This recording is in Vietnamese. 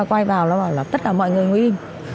quay vào nó bảo là tất cả mọi người ngồi im